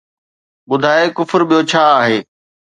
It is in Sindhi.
ٻڌاءِ ڪفر ٻيو ڇا آهي!